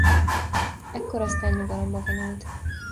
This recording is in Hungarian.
Ekkor aztán nyugalomba vonult.